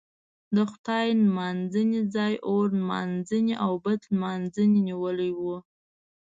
د خدای نمانځنې ځای اور نمانځنې او بت نمانځنې نیولی و.